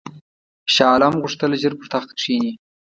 شاه عالم غوښتل ژر پر تخت کښېني.